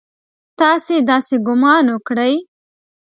تاسې داسې ګومان وکړئ!